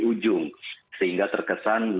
ujung sehingga terkesan